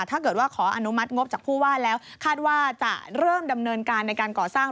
ถ้าเกิดว่าขออนุมัติงบจากผู้ว่าแล้วคาดว่าจะเริ่มดำเนินการในการก่อสร้าง